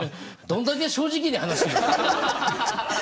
どんだけ正直に話してんだ！